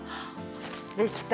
できた。